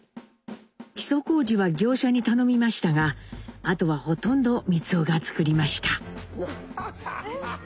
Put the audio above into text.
基礎工事は業者に頼みましたがあとはほとんど光男が造りました。